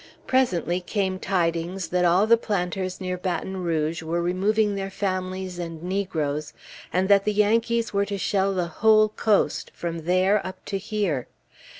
Presently came tidings that all the planters near Baton Rouge were removing their families and negroes, and that the Yankees were to shell the whole coast, from there up to here.